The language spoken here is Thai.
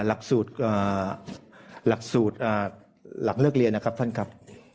หลักสูตรหลักสูตรหลังเลิกเรียนนะครับท่านครับ